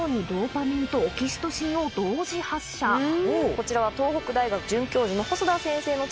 こちらは東北大学准教授の細田先生の知識です。